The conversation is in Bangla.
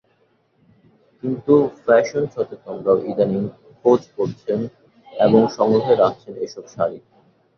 কিন্তু ফ্যাশন সচেতনেরাও ইদানীং খোঁজ করছেন এবং সংগ্রহে রাখছেন এসব শাড়ির।